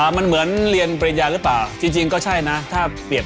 มันเหมือนเรียนปริญญาหรือเปล่าจริงก็ใช่นะถ้าเปรียบ